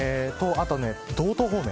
あと道東方面